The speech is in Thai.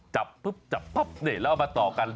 จับแล้วเอามาต่อกัน